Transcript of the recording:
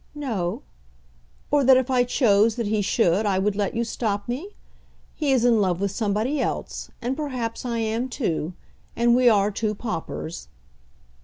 "No." "Or that if I chose that he should I would let you stop me? He is in love with somebody else, and perhaps I am too. And we are two paupers."